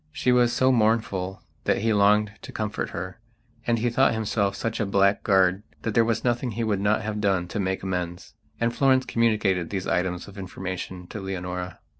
She was so mournful that he longed to comfort her, and he thought himself such a blackguard that there was nothing he would not have done to make amends. And Florence communicated these items of information to Leonora.